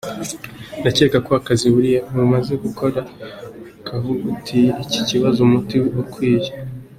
' 'Ndakeka ko akazi Uburayi bumaze gukora kavugutiye iki kibazo umuti ukwiye.